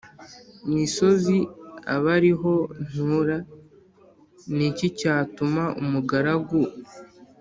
misozi abe ari ho ntura Ni iki cyatuma umugaragu